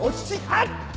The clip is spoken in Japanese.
あっ！